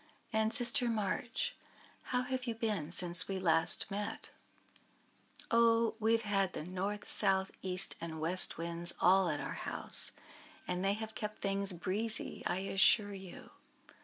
"And, Sister March, how have you been since we last met?" "Oh! we have had the North, South, East, and West Winds all at our house, and they have kept things breezy, I assure you.